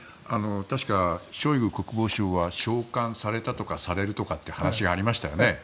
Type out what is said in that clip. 確かショイグ国防相は召喚されたとかされるという話がありましたよね。